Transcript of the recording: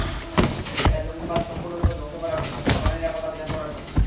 এটা জঙ্গিবাদ সম্পূর্ণরূপে ধ্বংস করার সময়, জনগণের নিরাপত্তা বিধান করার সময়।